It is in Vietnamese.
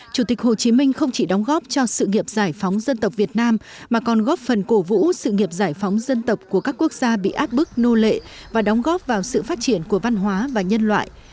chủ tịch hồ chí minh không chỉ đóng góp cho sự nghiệp giải phóng dân tộc việt nam mà còn góp phần cổ vũ sự nghiệp giải phóng dân tộc của các quốc gia bị áp bức nô lệ và đóng góp vào sự phát triển của văn hóa và nhân loại